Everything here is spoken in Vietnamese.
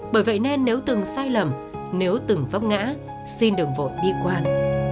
bởi vậy nên nếu từng sai lầm nếu từng vấp ngã xin đừng vội đi quan